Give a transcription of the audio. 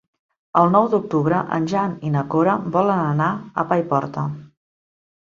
El nou d'octubre en Jan i na Cora volen anar a Paiporta.